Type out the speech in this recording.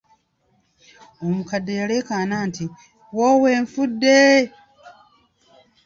Omukadde yaleekaana nti:"woowe nfudde nze"